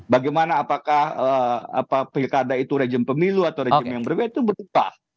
bagaimana apakah pilkada itu rejim pemilu atau rejim yang berbeda itu berubah